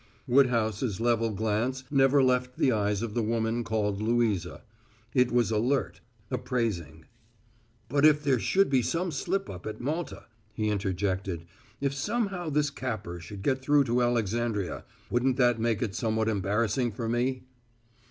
Woodhouse's level glance never left the eyes of the woman called Louisa; it was alert, appraising. "But if there should be some slip up at Malta," he interjected. "If somehow this Capper should get through to Alexandria, wouldn't that make it somewhat embarrassing for me?"